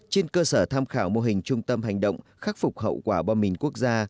trên cơ sở tham khảo mô hình trung tâm hành động khắc phục hậu quả bom mìn quốc gia